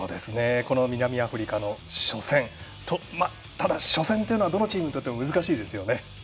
南アフリカの初戦ただ、初戦というのはどのチームにとっても難しいですよね。